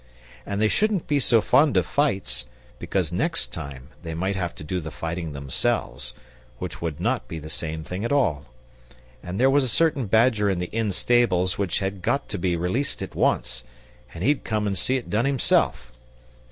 And they shouldn't be so fond of fights, because next time they might have to do the fighting themselves, which would not be the same thing at all. And there was a certain badger in the inn stables which had got to be released at once, and he'd come and see it done himself.